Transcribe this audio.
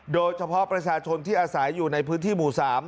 โดยเฉพาะประชาชนที่อาศัยอยู่ในพื้นที่หมู่๓